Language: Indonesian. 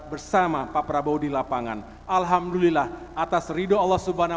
pada kesempatan yang baik ini saya juga perlu menyampaikan kepada seluruh kader partai demokrat